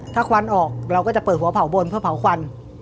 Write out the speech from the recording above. ถ้าควันออกเราก็จะเปิดหัวเผาบนเพื่อเผาควัน